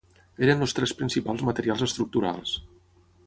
Eren els tres principals materials estructurals.